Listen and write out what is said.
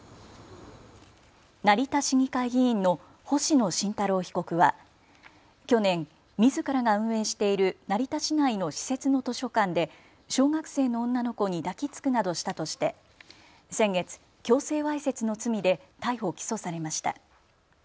成田市議会議員の星野慎太郎被告は去年みずからが運営している成田市内の私設の図書館で小学生の女の子に抱きつくなどしたとして先月、強制わいせつの罪で逮捕・起訴されました。